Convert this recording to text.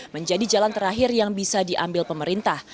menjadi jalan terakhir yang bisa diambil pemerintah